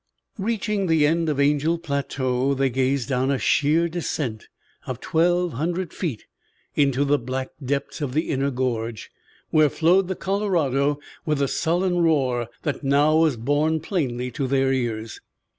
Reaching the end of Angel Plateau they gazed down a sheer descent of twelve hundred feet into the black depths of the inner gorge, where flowed the Colorado with a sullen roar that now was borne plainly to their ears.